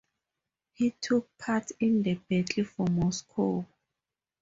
He took part in the battle for Moscow.